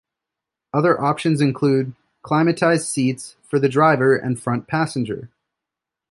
Other options include climatised seats for the driver and front passenger.